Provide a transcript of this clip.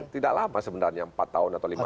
tidak lama sebenarnya empat tahun atau lima tahun